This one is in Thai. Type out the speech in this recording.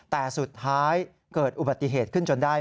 แต่สุดท้ายเกิดอุบัติเหตุขึ้นจนได้